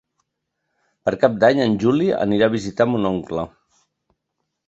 Per Cap d'Any en Juli anirà a visitar mon oncle.